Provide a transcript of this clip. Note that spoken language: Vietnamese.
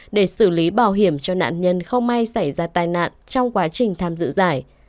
để xử lý bảo hiểm cho nạn nhân không may xảy ra tai nạn trong quá trình tham dự giải